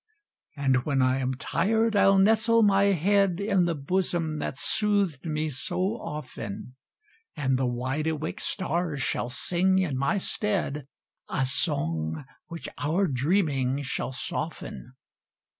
And when I am tired I'll nestle my head In the bosom that's sooth'd me so often, And the wide awake stars shall sing in my stead A song which our dreaming shall soften.